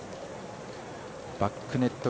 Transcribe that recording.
バックネット